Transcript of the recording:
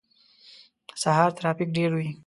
سهار ترافیک ډیر وی